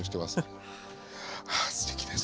ああすてきです